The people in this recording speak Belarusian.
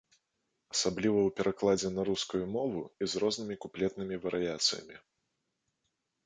Асабліва ў перакладзе на рускую мову і з рознымі куплетнымі варыяцыямі.